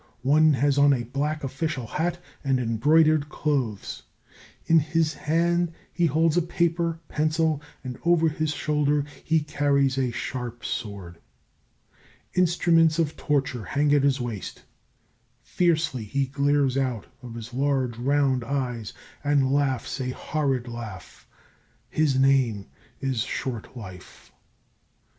One has on a black official hat and embroidered clothes; in his hand he holds a paper pencil, and over his shoulder he carries a sharp sword. Instruments of torture hang at his waist, fiercely he glares out of his large round eyes and laughs a horrid laugh. His name is Short Life.